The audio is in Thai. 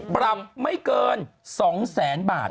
บรรยามไม่เกิน๒๐๐๐๐๐บาท